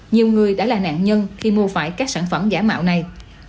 nhiều người đã là nạn nhân khi mua phải các sản phẩm giả mạo này